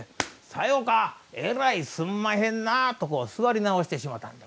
「さよか、えらいすんまへんな」と、座り直してしまった。